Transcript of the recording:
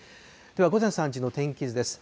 では午前３時の天気図です。